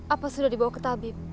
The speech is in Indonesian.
apa sudah dibawa ke tabib